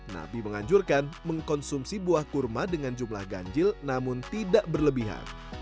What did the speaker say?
nabi menganjurkan mengkonsumsi buah kurma dengan jumlah ganjil namun tidak berlebihan